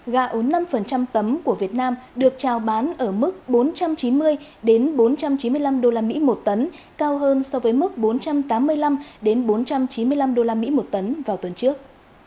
gạo năm tấm của việt nam được trao bán ở mức bốn trăm chín mươi bốn trăm chín mươi năm usd một tấn cao hơn so với mức bốn trăm tám mươi năm bốn trăm chín mươi năm usd một tấn vào tuần trước